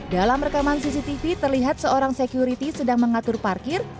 dalam rekaman cctv terlihat seorang security sedang mengatur parkir